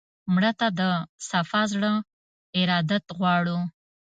مړه ته د صفا زړه ارادت غواړو